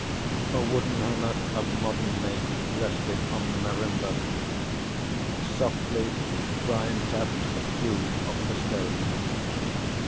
A wooden hammer of modern make rested on the marimba. Softly, Brian tapped a few of the stones.